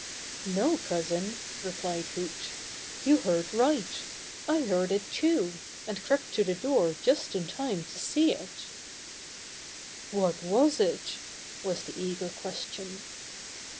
"No, cousin," replied Hoot. "You heard right. I heard it, too, and crept to the door just in time to see." "What was it?" was the eager question.